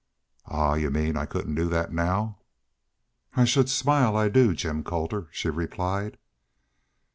"Ahuh! Y'u mean I couldn't do that now?" "I should smile I do, Jim Colter!" she replied.